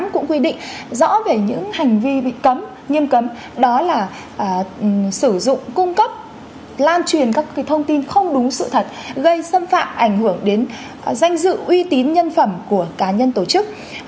cũng quy định rõ về những hành vi bị cấm nghiêm cấm đó là sử dụng cung cấp lan truyền các thông tin không đúng sự thật gây xâm phạm ảnh hưởng đến danh dự uy tín nhân phẩm của cá nhân tổ chức